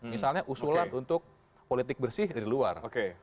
misalnya usulan untuk politik bersih dari luar